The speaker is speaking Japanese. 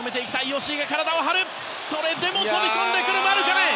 吉井が体を張るそれでも飛び込むマルカネン。